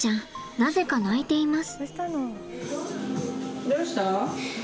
なぜか泣いています。